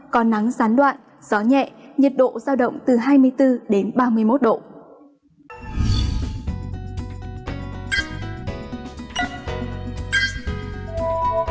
có nắng gián đoạn gió nhẹ nhiệt độ giao động từ hai mươi bốn đến ba mươi một độ